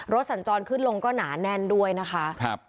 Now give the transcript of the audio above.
รถสันจรขึ้นลงก็หนาแน่นด้วยนะคะครับ